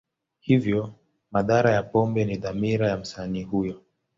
Hivyo, madhara ya pombe ni dhamira ya msanii huyo.